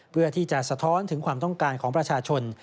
เพื่อที่จะสะท้อนถึงความต้องการของประชาชน